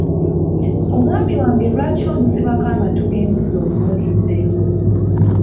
Omwami wange lwaki omusibako amatu g'embuzi okumuliisa engo?